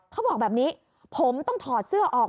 เขาบอกแบบนี้ผมต้องถอดเสื้อออก